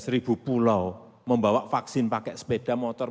tujuh belas ribu pulau membawa vaksin pakai sepeda motor